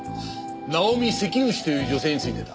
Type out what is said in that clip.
ナオミ・セキグチという女性についてだ。